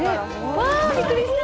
うわびっくりした！